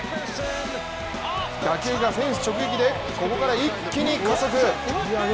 打球がフェンス直撃で、ここから一気に加速！